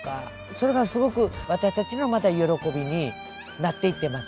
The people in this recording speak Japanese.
それがすごく私たちのまた喜びになっていってますね。